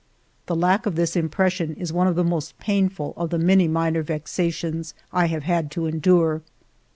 The lack of this impression is one of the most painful of the many minor vexations I have to endure.